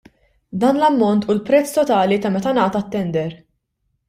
Dan l-ammont hu l-prezz totali ta' meta ngħata t-tender.